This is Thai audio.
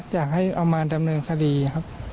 อยากให้เอามาดำเนินคดีครับ